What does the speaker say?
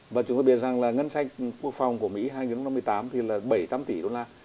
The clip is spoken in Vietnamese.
và chúng ta biết rằng là ngân sách quốc phòng của mỹ năm một nghìn chín trăm năm mươi tám thì là bảy trăm linh tỷ đô la